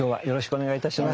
お願いいたします。